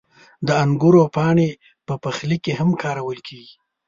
• د انګورو پاڼې په پخلي کې هم کارول کېږي.